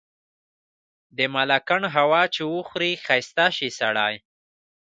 د ملاکنډ هوا چي وخوري ښايسته شی سړے